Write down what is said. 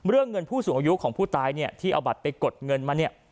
เรื่องเงินผู้สูงอายุของผู้ตายเนี่ยที่เอาบัตรไปกดเงินมาเนี่ย